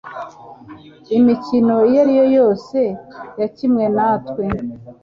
Imikino iyo ari yo yose yakinwe natwe,